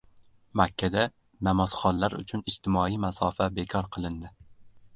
Makkada namozxonlar uchun ijtimoiy masofa bekor qilindi